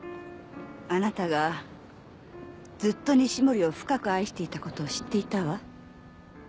あなたがずっと西森を深く愛していたことを知っていたわ。